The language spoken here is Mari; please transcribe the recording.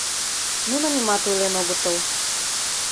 Нуно нимат ойлен огытыл.